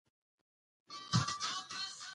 پاکې اوبه وڅښئ.